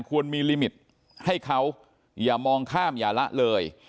ควรมีลิมิตให้เขาอย่ามองข้ามอย่าละเลย